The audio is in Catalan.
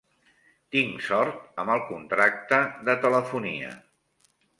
Tinc sort amb el contracte de telefonia.